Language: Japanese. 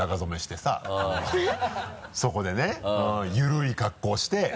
そこでねゆるい格好して。